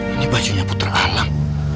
ini bajunya putra alang